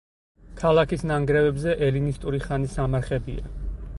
ქალაქის ნანგრევებზე ელინისტური ხანის სამარხებია.